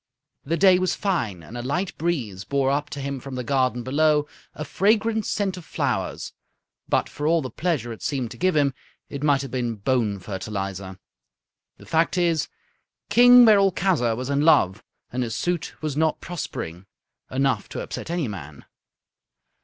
The day was fine, and a light breeze bore up to him from the garden below a fragrant scent of flowers. But, for all the pleasure it seemed to give him, it might have been bone fertilizer. The fact is, King Merolchazzar was in love, and his suit was not prospering. Enough to upset any man.